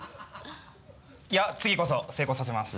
いや次こそ成功させます。